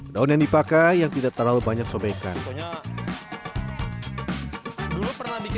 daun yang dipakai yang tidak terlalu banyak sobekan